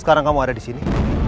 sekarang kamu ada disini